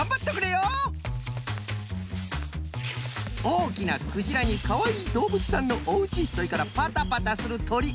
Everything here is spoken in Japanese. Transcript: おおきなクジラにかわいいどうぶつさんのおうちそれからパタパタするとり。